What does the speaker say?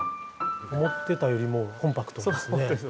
思ってたよりもコンパクトですね。